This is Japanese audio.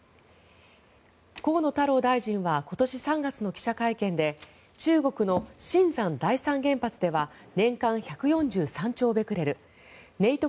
河野太郎大臣は今年３月の記者会見で中国の秦山第３原発では年間１４３兆ベクレル寧徳